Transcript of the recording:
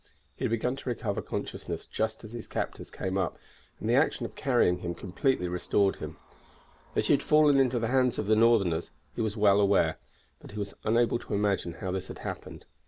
He had begun to recover consciousness just as his captors came up, and the action of carrying him completely restored him. That he had fallen into the hands of the Northerners he was well aware; but he was unable to imagine how this had happened.